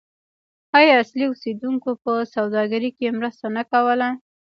آیا اصلي اوسیدونکو په سوداګرۍ کې مرسته نه کوله؟